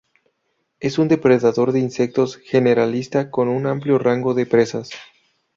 Es un depredador de insectos generalista con un amplio rango de presas.